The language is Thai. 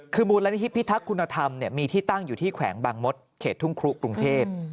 คือมูลนิธิพิทักษ์คุณธรรมมีที่ตั้งอยู่ที่แขวงบางมดเขตทุ่งครุกรุงเทพ